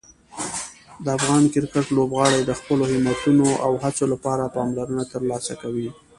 د افغان کرکټ لوبغاړي د خپلو همتونو او هڅو لپاره پاملرنه ترلاسه کوي.